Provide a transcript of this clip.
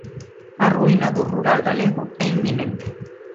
A ruína do rural galego é inminente.